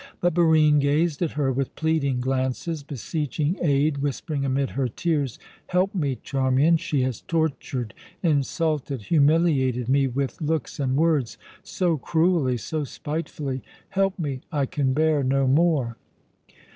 But Barine gazed at her with pleading glances, beseeching aid, whispering amid her tears: "Help me, Charmian. She has tortured, insulted, humiliated me with looks and words so cruelly, so spitefully! Help me; I can bear no more."